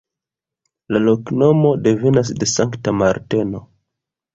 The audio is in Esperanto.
La loknomo devenas de Sankta Marteno.